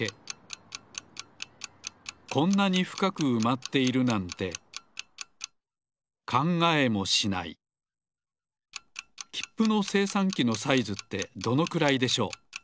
こんなにふかくうまっているなんてきっぷのせいさんきのサイズってどのくらいでしょう？